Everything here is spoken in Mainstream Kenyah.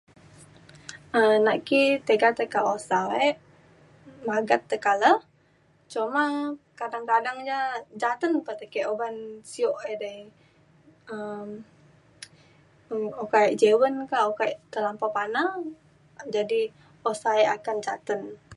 um nak ki tiga tekak usa e magat tekak le cuma kadang kadang ja jaten pa te ke. uban sio edei um okak e jewen ka okak e terlampau pana jadi usa e akan jaten